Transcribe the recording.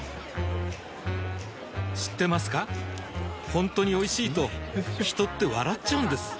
ほんとにおいしいと人って笑っちゃうんです